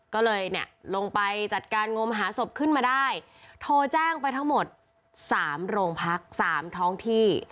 ก็เลยเนี่ยลงไปจัดการงมหาศพขึ้นมาได้โทรแจ้งไปทั้งหมด๓โรงพัก๓ท้องที่